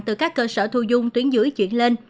từ các cơ sở thu dung tuyến dưới chuyển lên